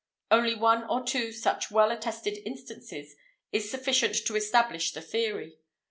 Only one or two such well attested instances is sufficient to establish the theory.